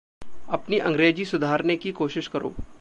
अपनी अंग्रेज़ी सुधारने की कोशिश करो।